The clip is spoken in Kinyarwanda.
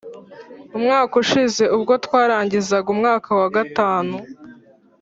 umwaka ushize ubwo twarangizaga umwaka wa gatanu,